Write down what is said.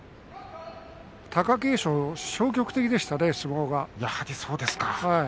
貴景勝消極的でしたね相撲が。